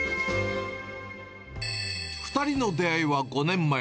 ２人の出会いは５年前。